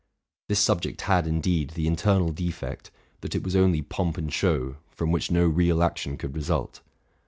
This subject had, indeed, the internal defect, that it was only pomp and show, from which no real action could result.